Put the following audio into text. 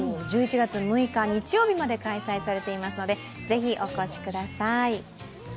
１１月６日、日曜日まで開催されていますのでぜひお越しください。